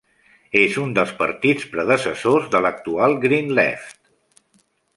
És un dels partits predecessors de l'actual "GreenLeft".